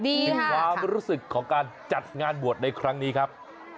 ถึงความรู้สึกของการจัดงานบวชในครั้งนี้ครับ